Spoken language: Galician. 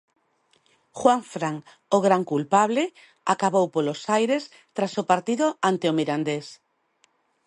Juanfran, o gran culpable, acabou polos aires tras o partido ante o Mirandés.